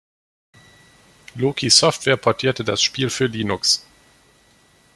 Loki Software portierte das Spiel für Linux.